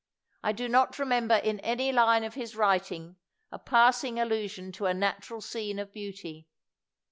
I do not remember in any line of his writing a passing allusion to a natural scene of beauty.